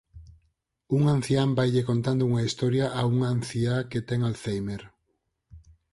Un ancián vaille contando unha historia a unha anciá que ten alzhéimer.